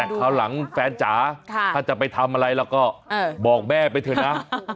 คราวหลังแฟนจ๋าถ้าจะไปทำอะไรเราก็บอกแม่ไปเถอะนะ